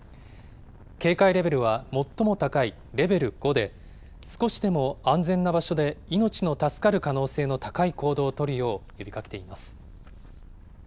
警戒レベルは最も高いレベル５で、少しでも安全な場所で命の助かる可能性の高い行動を取るよう呼びかけています。